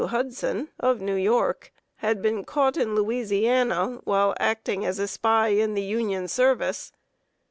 Hudson, of New York, had been caught in Louisiana, while acting as a spy in the Union service.